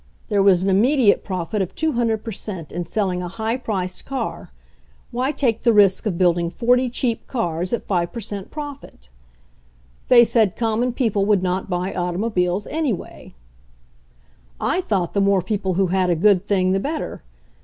There was an imme diate profit of 200 per cent in selling a high priced car; why take the risk of building forty cheap cars at 5 per cent profit? They said common people would not buy automobiles anyway. "I thought the more people who had a good thing the better.